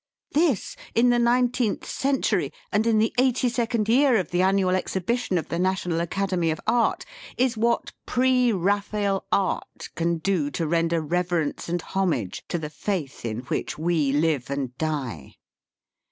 This, in the nineteenth century, and in the eighty second year of the annual exhibition of the National Academy of Art, is what Pre Eaphael Art can do to render reverence and homage to the faith in which we live and die